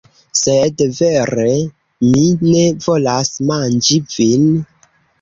Sed vere, mi ne volas manĝi vin.